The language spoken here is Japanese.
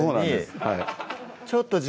はい